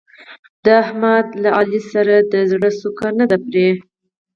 د احمد له علي څخه د زړه څوکه نه ده پرې.